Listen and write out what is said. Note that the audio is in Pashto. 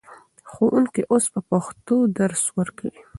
ښوونکي اوس په پښتو درس ورکوي.